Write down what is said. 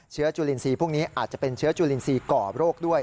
จุลินทรีย์พวกนี้อาจจะเป็นเชื้อจุลินทรีย์ก่อโรคด้วย